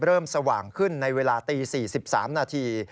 สว่างขึ้นในเวลาตี๔๓นาที